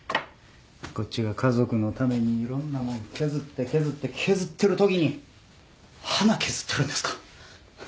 こっちが家族のためにいろんなもん削って削って削ってるときに花削ってるんですか